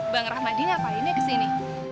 bang rahmadi ngapain ya kesini